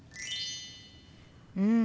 うん。